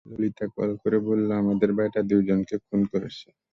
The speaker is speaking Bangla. ললিতা কল করে বললো আমাদের বেটা দুইজনকে খুন করেছে।